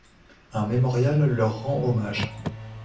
Un mémorial leur rend hommage.